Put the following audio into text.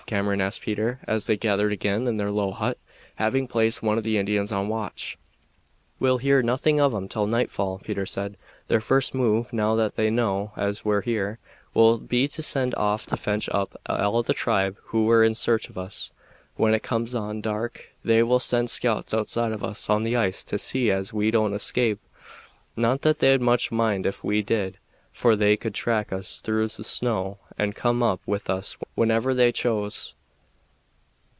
Cameron asked Peter, as they gathered again in their low hut, having placed one of the Indians on watch. "We'll hear nothing of 'em till nightfall," Peter said. "Their first move, now they know as we're here, will be to send off to fetch up all the tribe who're in search of us. When it comes on dark they'll send scouts outside of us on the ice to see as we don't escape not that they'd much mind ef we did, for they could track us through the snow and come up with us whenever they chose.